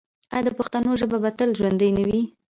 آیا د پښتنو ژبه به تل ژوندی نه وي؟